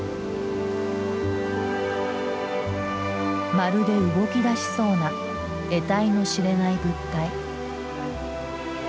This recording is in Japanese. まるで動きだしそうなえたいの知れない物体。